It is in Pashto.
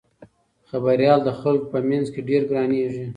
خبریال د خلکو په منځ کې ډېر ګرانیږي.